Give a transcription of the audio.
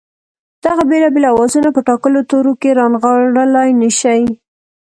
دغه بېلابېل آوازونه په ټاکلو تورو کې رانغاړلای نه شي